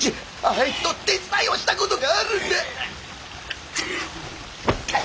あいつの手伝いをした事があるんだ。